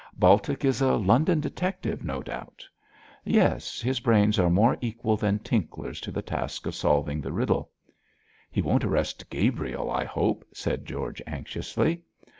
'Baltic is a London detective, no doubt?' 'Yes, his brains are more equal than Tinkler's to the task of solving the riddle.' 'He won't arrest Gabriel, I hope,' said George, anxiously.